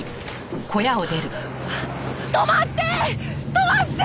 止まって！